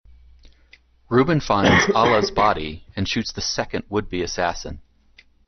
Reuben finds Alla's body and shoots the second would-be assassin.